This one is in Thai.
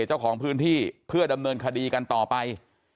เจ้าของพื้นที่เพื่อดำเนินคดีกันต่อไป